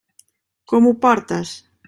Com ho portes?